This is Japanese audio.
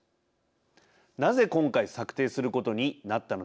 なぜ今回策定することになったのでしょうか。